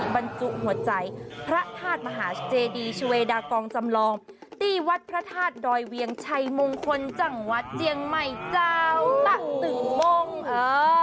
บรรจุหัวใจพระธาตุมหาเจดีชเวดากองจำลองที่วัดพระธาตุดอยเวียงชัยมงคลจังหวัดเจียงใหม่เจ้าตะตึงมงเออ